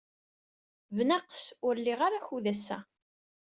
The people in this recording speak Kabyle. Bnaqes, ur liɣ ara akud ass-a.